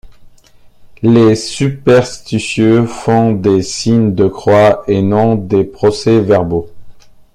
Les superstitieux font des signes de croix et non des procès-verbaux.